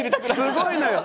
すごいのよ。